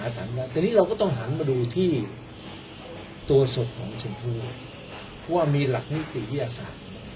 แต่นี่เราก็ต้องหันมาดูที่ตัวสดของเซ็นภูเพราะว่ามีหลักนิติพยาศาสตร์